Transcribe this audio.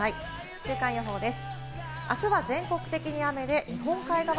週間予報です。